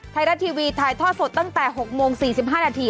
ไทยรัฐทีวีถ่ายทอดสดตั้งแต่๖โมง๔๕นาที